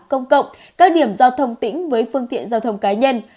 công cộng các điểm giao thông tĩnh với phương tiện giao thông cá nhân